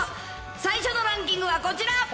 最初のランキングはこちら。